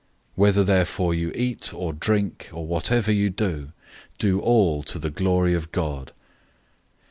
010:031 Whether therefore you eat, or drink, or whatever you do, do all to the glory of God.